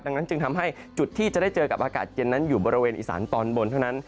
ดังนั้นจึงทำให้จุดที่จะได้เจอกับอากาศเย็นนั้นอยู่บริเวณอีสานตอนบนเท่านั้น